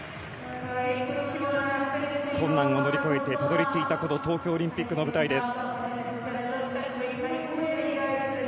困難を乗り越えてたどり着いた東京オリンピックの舞台です。